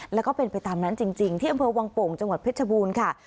แล้วก็เป็นไปตามนั้นจริงที่อำเภอวังโป่งจังหวัดเพชรบูรณ์ค่ะ